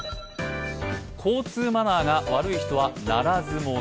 交通マナーが悪い人はならず者。